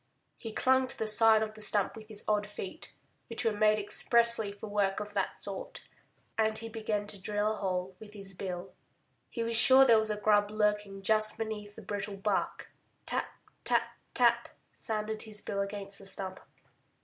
He clung to the side of the stump with his odd feet, which were made expressly for work of that sort. And he began to drill a hole with his bill. He was sure there was a grub lurking just beneath the brittle bark. Tap, tap, tap! sounded his bill against the stump.